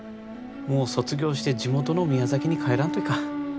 もう卒業して地元の宮崎に帰らんといかん。